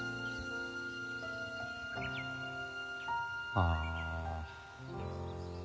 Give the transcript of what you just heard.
ああ。